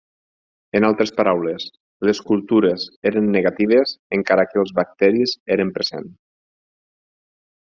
En altres paraules, les cultures eren negatives encara que els bacteris eren present.